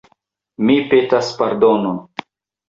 Mi petas pardonon.